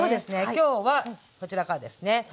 きょうはこちらからですね。